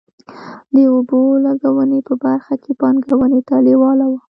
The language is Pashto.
د اوبو لګونې په برخه کې پانګونې ته لېواله وو.